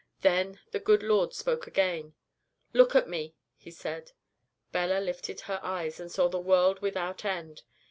Then the good Lord God spoke again. "'Look at Me,' He said. "Bella lifted her eyes and saw the World without End.